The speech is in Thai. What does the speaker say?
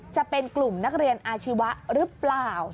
จะเป็นกลุ่มนักเรียนอาชีวะหรือเปล่า